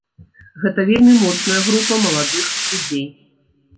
Гэта вельмі моцная група маладых людзей.